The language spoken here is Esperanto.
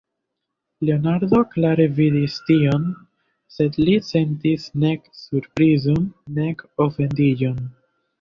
Leonardo klare vidis tion, sed li sentis nek surprizon, nek ofendiĝon.